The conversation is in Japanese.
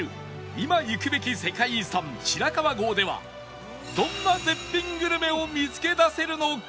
今行くべき世界遺産白川郷ではどんな絶品グルメを見つけ出せるのか？